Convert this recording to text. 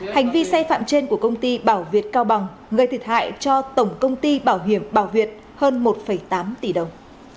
hành vi sai phạm trên của công ty bảo việt cao bằng gây thiệt hại cho tổng công ty bảo hiểm bảo việt hơn một tám tỷ đồng